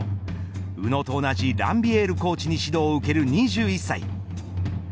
宇野と同じランビエールコーチに指導を受ける２１歳。